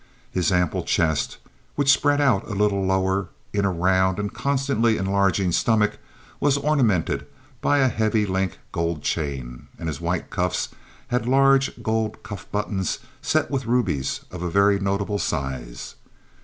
His ample chest, which spread out a little lower in around and constantly enlarging stomach, was ornamented by a heavy link gold chain, and his white cuffs had large gold cuff buttons set with rubies of a very notable size.